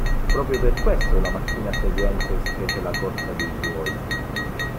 Proprio per questo la mattina seguente si fece la corsa dei buoi.